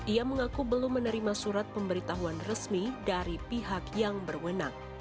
ia mengaku belum menerima surat pemberitahuan resmi dari pihak yang berwenang